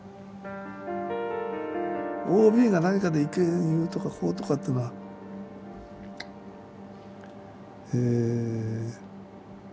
ＯＢが何かで意見言うとかこうとかっていうのはえ